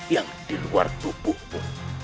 yang di luar tubuhmu